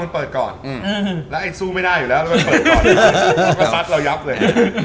มันเปิดก่อนแล้วไอ้สู้ไม่ได้อยู่แล้วแล้วมันเปิดก่อนแล้วซัดเรายับเลย